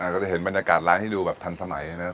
ก็จะเห็นบรรยากาศร้านให้ดูแบบทันสมัยนะครับ